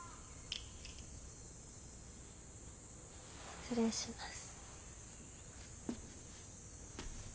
失礼します。